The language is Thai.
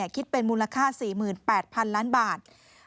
คิดเป็นมูลค่า๔๘๐๐๐ล้านบาท